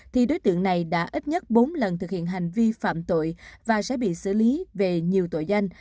thì đối tượng này đã ít nhất bốn lần thực hiện hành vi phạm tội và sẽ bị xử lý về nhiều tội danh